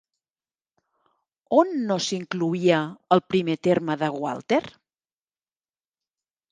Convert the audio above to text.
On no s'incloïa el primer terme de Gualter?